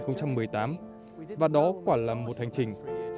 năm hai nghìn một mươi tám và đó quả là một hành trình